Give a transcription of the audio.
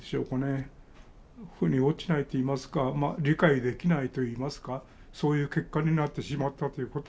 腑に落ちないといいますか理解できないといいますかそういう結果になってしまったということ